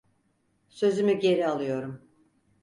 Sözümü geri alıyorum.